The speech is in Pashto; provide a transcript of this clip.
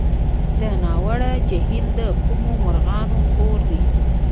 د ناور جهیل د کومو مرغانو کور دی؟